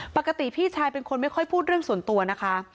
ปกติพี่ชายเป็นคนไม่ค่อยพูดเรื่องส่วนตัวนะคะ